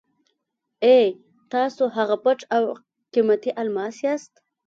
اې! تاسو هغه پټ او قیمتي الماس یاست.